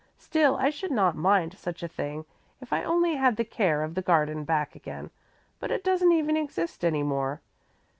Still I should not mind such a thing if I only had the care of the garden back again, but it doesn't even exist any more.